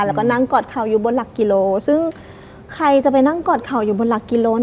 แล้วก็นั่งกอดเข่าอยู่บนหลักกิโลซึ่งใครจะไปนั่งกอดเข่าอยู่บนหลักกิโล